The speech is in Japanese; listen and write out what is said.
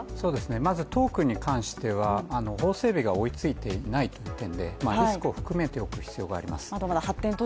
まずトークンに関しては法整備が追いついていないという点でリスクを含めておく必要があります。